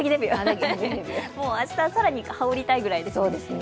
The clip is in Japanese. もう明日更に羽織りたいぐらいですね。